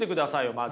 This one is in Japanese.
まず。